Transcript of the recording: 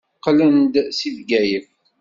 Qqlen-d seg Bgayet.